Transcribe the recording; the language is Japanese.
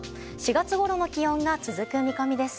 ４月ごろの気温が続く見込みです。